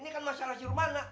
ini kan masyarakat rumana